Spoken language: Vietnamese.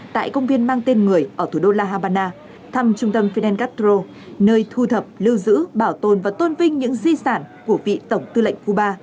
tại công viên mang tên người ở thủ đô la habana thăm trung tâm finelastro nơi thu thập lưu giữ bảo tồn và tôn vinh những di sản của vị tổng tư lệnh cuba